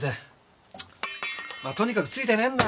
まあとにかくついてねえんだ。